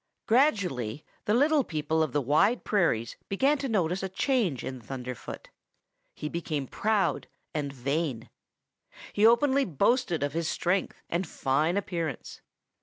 "Gradually the little people of the Wide Prairies began to notice a change in Thunderfoot. He became proud and vain. He openly boasted of his strength and fine appearance.